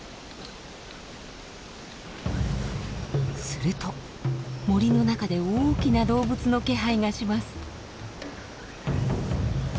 すると森の中で大きな動物の気配がします。